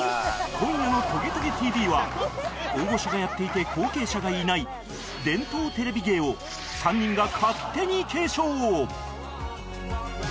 今夜の『トゲトゲ ＴＶ』は大御所がやっていて後継者がいない伝統テレビ芸を３人が勝手に継承！